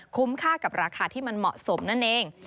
ค่ากับราคาที่มันเหมาะสมนั่นเอง